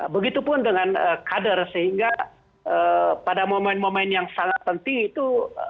begitupun dengan kader sehingga pada momen momen yang sangat penting itu